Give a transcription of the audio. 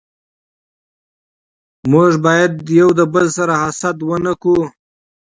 موږ بايد يو دبل سره حسد و نه کړو